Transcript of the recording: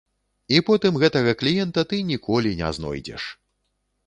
І потым гэтага кліента ты ніколі не знойдзеш.